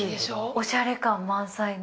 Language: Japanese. おしゃれ感満載の。